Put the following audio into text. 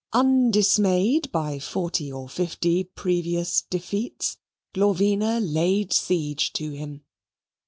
Undismayed by forty or fifty previous defeats, Glorvina laid siege to him.